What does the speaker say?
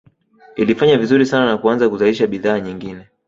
Ilifanya vizuri sana na kuanza kuzalisha bidhaa nyingine